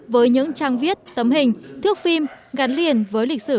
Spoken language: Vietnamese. với những trang viết tấm hình thước phim gắn liền với lịch sử